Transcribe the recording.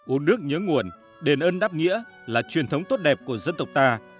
uống nước nhớ nguồn đền ơn đáp nghĩa là truyền thống tốt đẹp của dân tộc ta